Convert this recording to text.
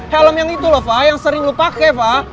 helm yang itu lo fah yang sering lo pake fah